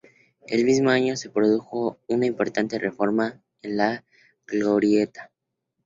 El mismo año, se produjo una importante reforma en la Glorieta.